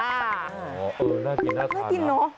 น่ากินน่าทานนะน่ากินเนอะ